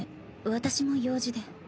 私も用事で。